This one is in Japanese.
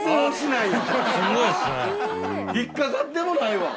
引っ掛かってもないわ。